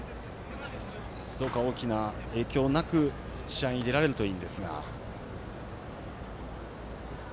どうか大きな影響なく試合に出られるといいですが。